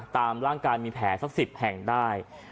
ตามร่างกายมีแผลสัก๑๐แห่งได้